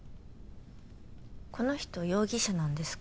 この人容疑者なんですか？